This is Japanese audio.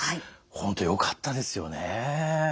本当よかったですよね。